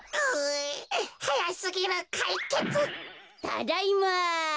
ただいま。